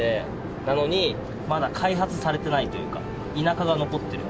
なのにまだ開発されてないというか田舎が残っている。